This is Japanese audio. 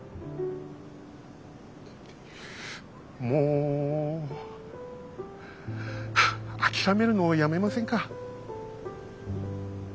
もう諦めるのをやめませんか。